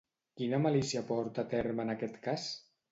Quina malícia porta a terme en aquest cas?